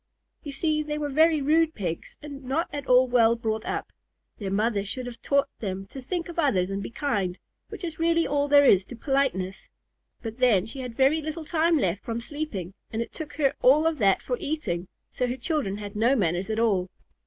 You see, they were very rude Pigs and not at all well brought up. Their mother should have taught them to think of others and be kind, which is really all there is to politeness. But then, she had very little time left from sleeping, and it took her all of that for eating, so her children had no manners at all.